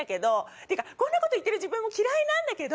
っていうかこんなこと言ってる自分も嫌いなんだけど。